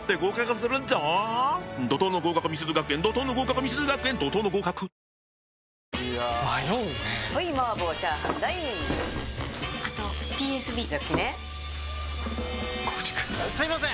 すいません！